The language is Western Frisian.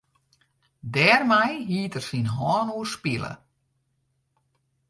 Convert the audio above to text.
Dêrmei hied er syn hân oerspile.